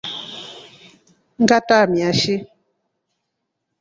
Ngatramia shi.